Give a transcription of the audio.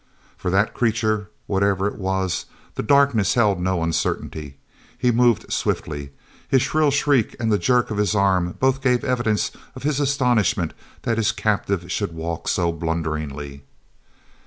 For that creature, whatever it was, the darkness held no uncertainty. He moved swiftly. His shrill shriek and the jerk of his arm both gave evidence of his astonishment that his captive should walk so blunderingly.